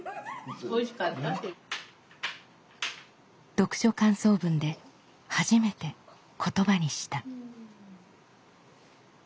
読書感想文で初めて言葉にした。